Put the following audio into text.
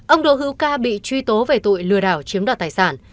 ông đỗ hữu ca bị truy tố về tội lừa đảo chiếm đoạt tài sản